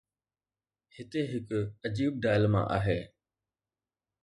هتي هڪ عجيب dilemma آهي.